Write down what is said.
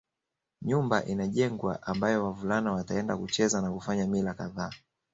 Nyumba inajengwa ambayo wavulana wataenda kucheza na kufanya mila kadhaa